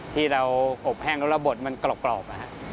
ที่เราอบแห้งแล้วเราบดมันกรอบ